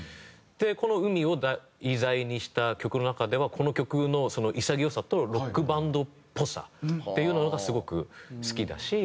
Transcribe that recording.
この海を題材にした曲の中ではこの曲の潔さとロックバンドっぽさっていうのがすごく好きだし。